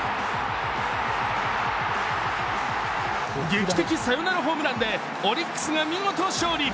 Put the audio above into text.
劇的サヨナラホームランでオリックスが見事、勝利。